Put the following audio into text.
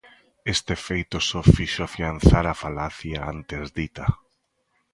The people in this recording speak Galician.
Este feito só fixo afianzar a falacia antes dita.